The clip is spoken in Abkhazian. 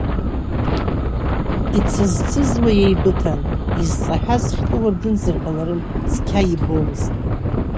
Ицызцызуа еибыҭан, изҵаҳәаз хьтәы уардынзар ҟаларын, цқьа ибомызт.